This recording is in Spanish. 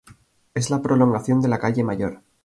Es la prolongación de la calle Mayor.